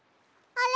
あれ？